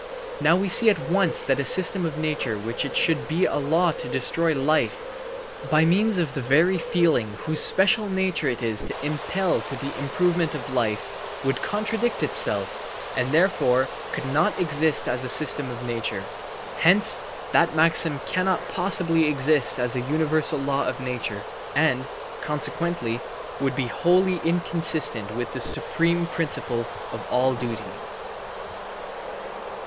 Now we see at once that a system of nature of which it should be a law to destroy life by means of the very feeling whose special nature it is to impel to the improvement of life would contradict itself and, therefore, could not exist as a system of nature; hence that maxim cannot possibly exist as a universal law of nature and, consequently, would be wholly inconsistent with the supreme principle of all duty.